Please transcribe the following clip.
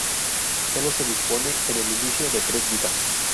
Sólo se dispone, en el inicio, de tres vidas.